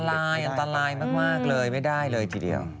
อันตรายอันตรายมากเลยไม่ได้เลยทีเดียว